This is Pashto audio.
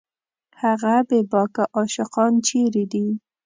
هغه بېباکه عاشقان چېرې دي